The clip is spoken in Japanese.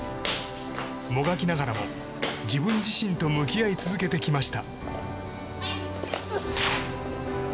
もがきながらも自分自身と向き合い続けてきました。